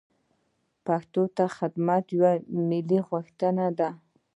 پښتو ته خدمت یوه ملي غوښتنه ده.